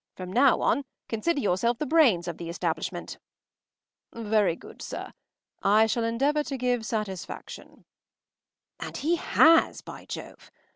From now on consider yourself the brains of the establishment.” “Very good, sir. I shall endeavour to give satisfaction.” And he has, by Jove!